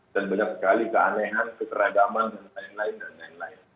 dan banyak sekali keanehan keteragaman dan lain lain